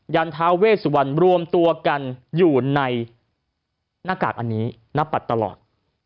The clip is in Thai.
ันท้าเวสวันรวมตัวกันอยู่ในหน้ากากอันนี้หน้าปัดตลอด